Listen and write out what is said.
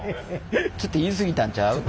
ちょっと言い過ぎたんちゃう？